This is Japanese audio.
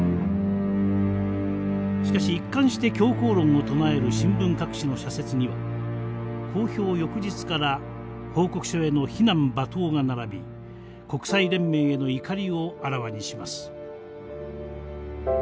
しかし一環して強硬論を唱える新聞各紙の社説には公表翌日から報告書への非難罵倒が並び国際連盟への怒りをあらわにします。